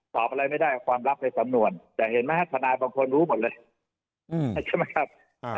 ตอบอะไรไม่ได้ความลับในสำนวนแต่เห็นไหมฮะทนายบางคนรู้หมดเลยใช่ไหมครับ